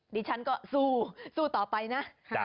ดิฉันก็สู้ต่อไปนะ